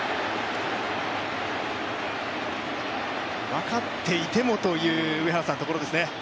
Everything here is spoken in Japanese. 分かっていても、というところですね。